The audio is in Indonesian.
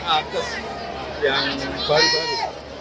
akes yang baru baru